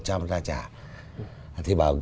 ra trả thì bảo